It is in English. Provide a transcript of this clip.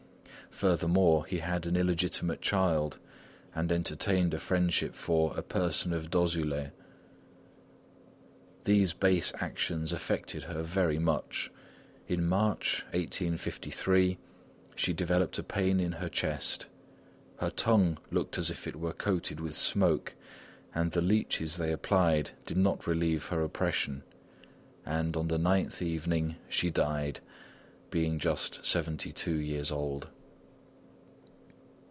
Furthermore, he had an illegitimate child, and entertained a friendship for "a person in Dozulé." These base actions affected her very much. In March, 1853, she developed a pain in her chest; her tongue looked as if it were coated with smoke, and the leeches they applied did not relieve her oppression; and on the ninth evening she died, being just seventy two years old.